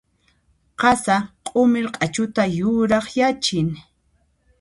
Qasa q'umir q'achuta yurakyachin.